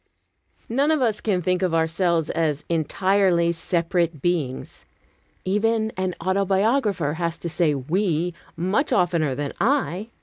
None of us can think of ourselves as entirely separate beings. Even an autobiographer has to say "we" much oftener than "I."